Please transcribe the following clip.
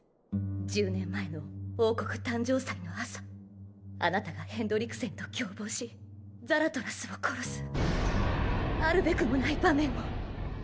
１０年前の王国誕生祭の朝あなたがヘンドリクセンと共謀しザラトラスを殺すあるべくもない場面を。